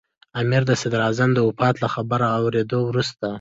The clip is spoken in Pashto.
امیر د صدراعظم د وفات له خبر اورېدو وروسته.